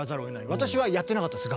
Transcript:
私はやってなかったです